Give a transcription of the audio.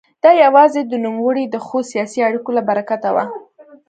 دا یوازې د نوموړي د ښو سیاسي اړیکو له برکته وه.